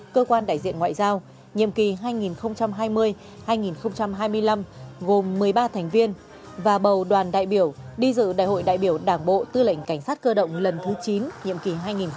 cơ quan đại diện ngoại giao nhiệm kỳ hai nghìn hai mươi hai nghìn hai mươi năm gồm một mươi ba thành viên và bầu đoàn đại biểu đi dự đại hội đại biểu đảng bộ tư lệnh cảnh sát cơ động lần thứ chín nhiệm kỳ hai nghìn hai mươi hai nghìn hai mươi năm